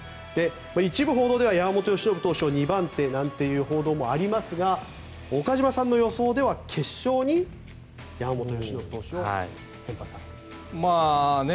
一部報道では山本由伸投手を２番手という報道もありますが岡島さんの予想では決勝に山本由伸投手を先発させる。